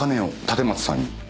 立松さんに。